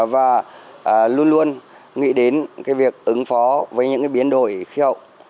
và luôn luôn nghĩ đến cái việc ứng phó với những cái biến đổi khí hậu